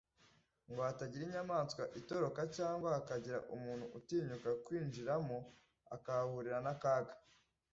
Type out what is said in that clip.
ngo hatagira inyamaswa itoroka cyangwa hakagira umuntu utinyuka kurwinjiramo akahahurira n’akaga